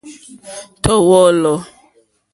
Tɔ̀ wɔ̌lɔ̀.